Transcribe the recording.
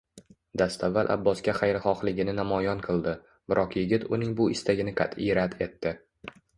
Dastavval Abbosga xayrixohligini namoyon qildi, biroq yigit uning bu istagini qat`iy rad etdi